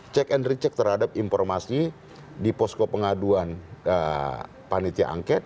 check and recheck terhadap informasi di posko pengaduan panitia angket